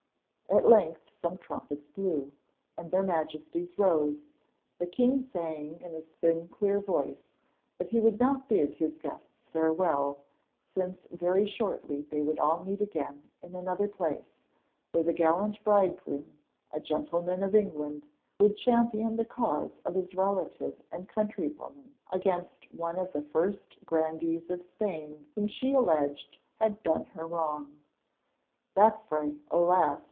At length some trumpets blew, and their Majesties rose, the king saying in his thin, clear voice that he would not bid his guests farewell, since very shortly they would all meet again in another place, where the gallant bridegroom, a gentleman of England, would champion the cause of his relative and countrywoman against one of the first grandees of Spain whom she alleged had done her wrong. That fray, alas!